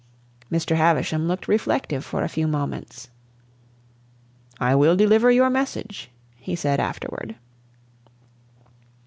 Mr. Havisham looked reflective for a few moments. "I will deliver your message," he said afterward.